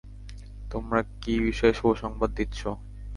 তোমরা কি বিষয়ে শুভ সংবাদ দিচ্ছ?